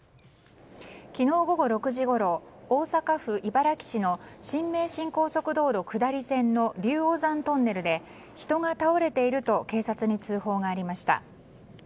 昨日午後６時ごろ大阪府茨木市の新名神高速道路下り線の竜王山トンネルで人が倒れていると警察に通報がありました。